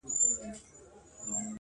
چي هر څو یې هېرومه نه هیریږي -